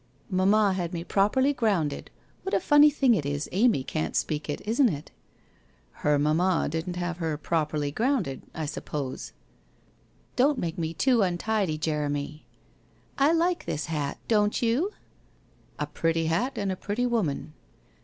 ' 1 Mamma had me properly grounded. What a funny thing it is Amy can't speak it, isn't it? ' 1 Her mamma didn't have her properly grounded, I sup pose.' ' Don't make me too untidy, Jeremy !... I like this hat, don't you ?'' A pretty hat and a pretty woman.'